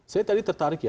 saya tadi tertarik ya